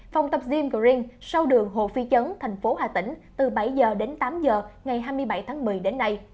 phòng tập zym green sau đường hồ phi trấn thành phố hà tĩnh từ bảy h đến tám h ngày hai mươi bảy tháng một mươi đến nay